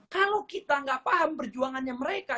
kalau kita nggak paham perjuangannya mereka